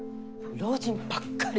老人ばっかり。